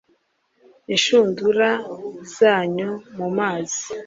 Inshundura p zanyu mu mazi